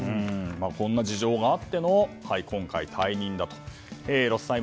こんな事情があっての退任であると。